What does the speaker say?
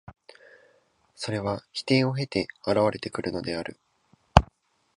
それは否定を経て現れてくるのである。